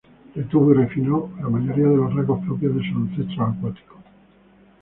Retuvo y refinó la mayoría de los rasgos propios de sus ancestros acuáticos.